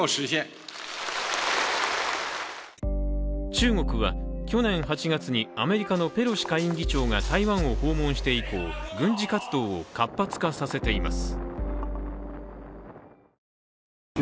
中国は去年８月に、アメリカのペロシ下院議長が台湾を訪問して以降、軍事活動を活発化させています。